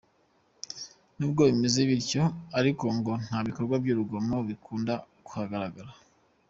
Nubwo bimeze bityo ariko ngo nta bikorwa by’urugomo bikunda kuharagara.